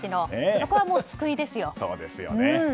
そこは救いですよ。